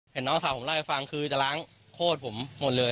น้องสาวผมเล่าให้ฟังคือจะล้างโคตรผมหมดเลย